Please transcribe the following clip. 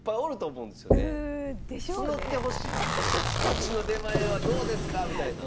うちの出前はどうですかみたいな。